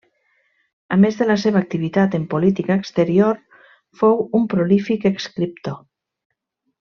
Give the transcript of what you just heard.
A més de la seva activitat en política exterior, fou un prolífic escriptor.